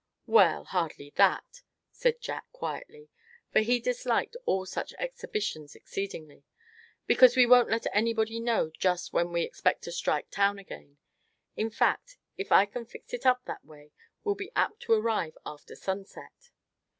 "Well, hardly that," said Jack, quietly, for he disliked all such exhibitions exceedingly; "because we won't let anybody know just when we expect to strike town again. In fact, if I can fix it up that way we'll be apt to arrive after sunset."